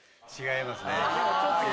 違いますね。